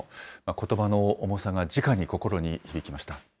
ことばの重さがじかに心に響きました。